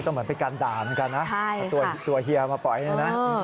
ก็เหมือนเป็นการด่าเหมือนกันนะเอาตัวเฮียมาปล่อยเนี่ยนะ